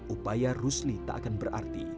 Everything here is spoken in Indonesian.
upaya rusli tak akan berarti